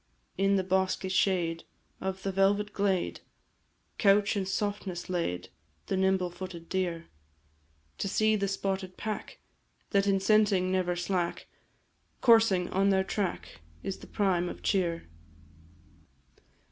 In the bosky shade Of the velvet glade, Couch, in softness laid, The nimble footed deer; To see the spotted pack, That in scenting never slack, Coursing on their track, Is the prime of cheer.